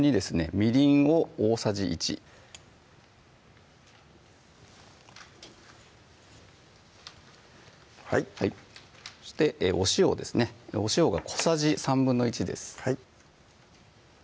みりんを大さじ１はいそしてお塩ですねお塩が小さじ１／３ですはい